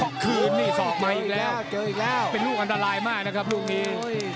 ขอคืนนี่สอกมาอีกแล้วเป็นลูกอันตรายมากนะครับลูกนี้